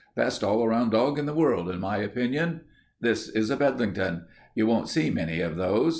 Best all round dog in the world in my opinion. This is a Bedlington. You won't see many of those.